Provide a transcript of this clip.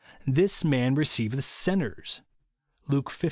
This man receiveth sin ners" (Luke XV.